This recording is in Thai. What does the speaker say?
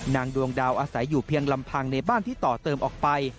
ดวงดาวอาศัยอยู่เพียงลำพังในบ้านที่ต่อเติมออกไป